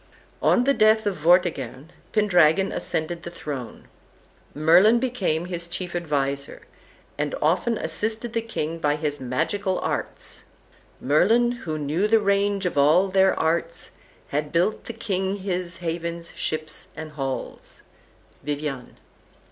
On the death of Vortigern, Pendragon ascended the throne. Merlin became his chief adviser, and often assisted the king by his magical arts. "Merlin, who knew the range of all their arts, Had built the King his havens, ships and halls." Vivian.